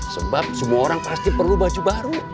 sebab semua orang pasti perlu baju baru